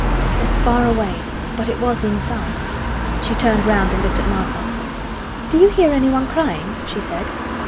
It was far away, but it was inside. She turned round and looked at Martha. "Do you hear anyone crying?" she said.